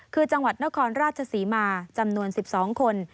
คือจังหวัดนครราชศรีมาจำนวน๑๒คน